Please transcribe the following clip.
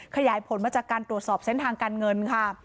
ขยายผลมาจากการตรวจสอบเส้นทางการเงินค่ะ